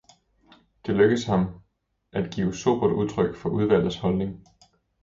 Det er lykkedes ham at give sobert udtryk for udvalgets holdning.